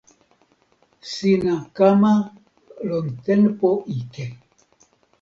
sina kama lon tenpo ike.